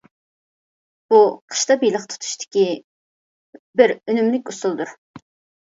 بۇ قىشتا بېلىق تۇتۇشتىكى بىر ئۈنۈملۈك ئۇسۇلدۇر.